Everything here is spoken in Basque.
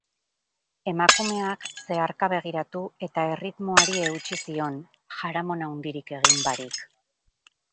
Emakumeak zeharka begiratu eta erritmoari eutsi zion, jaramon handirik egin barik.